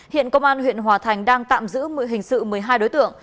hiện công an huyện hòa thành đang tạm giữ hình sự một mươi hai đối tượng